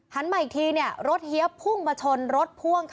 มาอีกทีรถเฮียบพุ่งมาชนรถพ่วงค่ะ